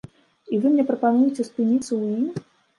І вы мне прапануеце спыніцца ў ім?